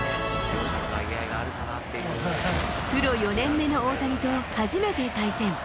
プロ４年目の大谷と初めて対戦。